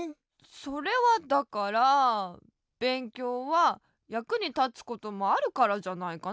それはだからべんきょうはやくにたつこともあるからじゃないかな。